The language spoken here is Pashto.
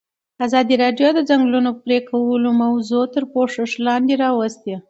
ازادي راډیو د د ځنګلونو پرېکول موضوع تر پوښښ لاندې راوستې.